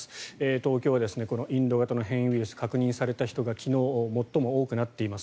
東京はインド型の変異ウイルス確認された人が昨日、最も多くなっています。